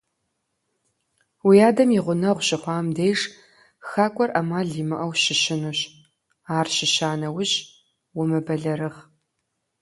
Уи адэм и гъунэгъу щыхъуам деж, хакӀуэр Ӏэмал имыӀэу щыщынущ, ар щыща нэужь, умыбэлэрыгъ.